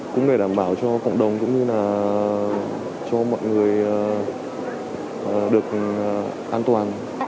cũng để đảm bảo cho cộng đồng cũng như là cho mọi người được an toàn